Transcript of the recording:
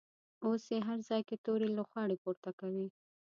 اوس یې هر ځای کې تورې لوخړې پورته کوي.